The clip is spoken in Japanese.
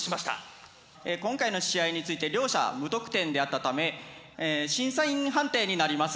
今回の試合について両者無得点であったため審査員判定になります。